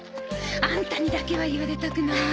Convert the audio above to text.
アンタにだけは言われたくない。